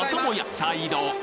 茶色。